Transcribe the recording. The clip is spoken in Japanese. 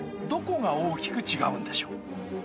どこが大きく違うんでしょう？